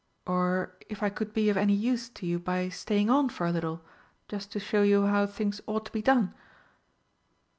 Or if I could be of any use to you by staying on for a little, just to show you how things ought to be done